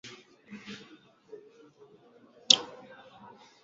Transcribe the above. Nyumba ni chafu kupindukia.